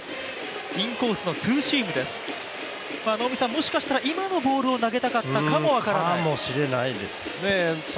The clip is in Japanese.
もしかしたら今のボ−ルを投げたかったかも分からない？かもしれないですね。